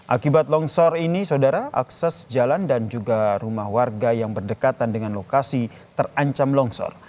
akibat longsor ini saudara akses jalan dan juga rumah warga yang berdekatan dengan lokasi terancam longsor